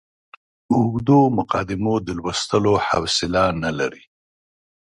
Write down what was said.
اوږدو مقدمو د لوستلو حوصله نه لري.